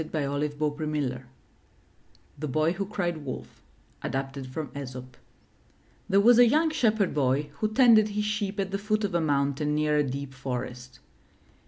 •; MY BOOK HOUSE THE BOY WHO CRIED WOLF Adapted from Aesop There was a young Shepherd Boy who tended his sheep at the foot of a mountain near a deep forest.